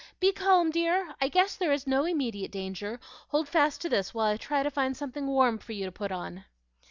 Be calm, dear! I guess there is no immediate danger. Hold fast to this while I try to find something warm for you to put on."